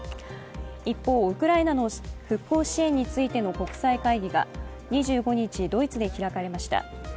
一方、ウクライナの復興支援についての国際会議が２５日ドイツで開かれました。